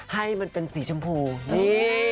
ให้มันเป็นสีชมพูนี่